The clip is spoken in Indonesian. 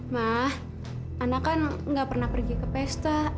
ma ana kan nggak pernah pergi ke pesta